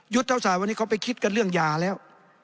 เท่าสายวันนี้เขาไปคิดกันเรื่องยาแล้ว